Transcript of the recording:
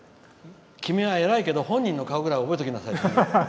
「君は偉いけど本人の顔くらい覚えておきなさい」って。